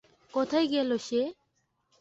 কোথায় গেল সে?